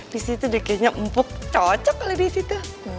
disitu dia kayaknya empuk cocok kalau disitu